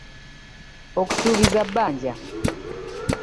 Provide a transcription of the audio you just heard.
Okusuubiza bbanja.